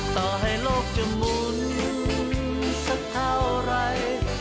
ต่อให้โลกจะหมุนสักเท่าไร